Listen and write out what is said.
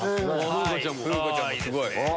風花ちゃんすごい！